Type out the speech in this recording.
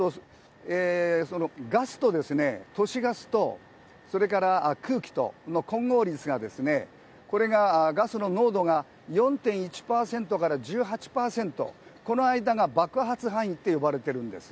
ガスと、都市ガスと、それから空気との混合率が、これがガスの濃度が４．１％から１８％、この間が爆発範囲って呼ばれているんです。